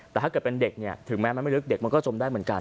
แต่ถ้าเกิดเป็นเด็กเนี่ยถึงแม้มันไม่ลึกเด็กมันก็จมได้เหมือนกัน